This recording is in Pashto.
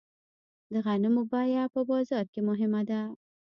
د غنمو بیه په بازار کې مهمه ده.